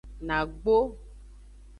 Nagbo.